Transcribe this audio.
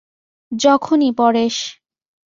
যখনই– পরেশ।